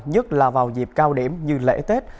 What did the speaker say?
nhất là vào dịp cao điểm như lễ tết